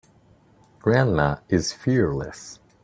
Grandma is fearless.